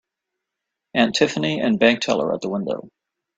Aunt Tiffany and bank teller at the window.